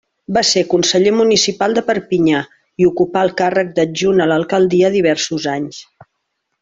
Va ser conseller municipal de Perpinyà, i ocupà el càrrec d'adjunt a l'alcaldia diversos anys.